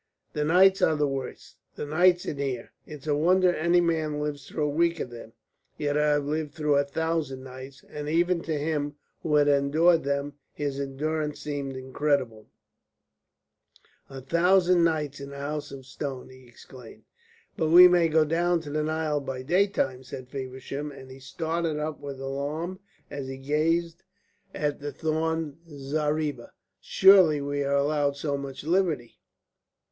"The nights are the worst, the nights in there. It's a wonder any man lives through a week of them, yet I have lived through a thousand nights." And even to him who had endured them his endurance seemed incredible. "A thousand nights of the House of Stone!" he exclaimed. "But we may go down to the Nile by daytime," said Feversham, and he started up with alarm as he gazed at the thorn zareeba. "Surely we are allowed so much liberty.